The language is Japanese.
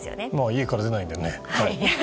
家から出ないのでね。